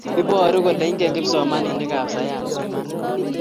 iboru kole ingen kipsomaninikab sayans imanit